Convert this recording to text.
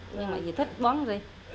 nhưng mà chị thích bón rơi